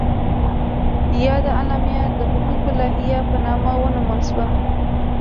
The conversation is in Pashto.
یاده اعلامیه د حقوقو لایحه په نامه ونومول شوه.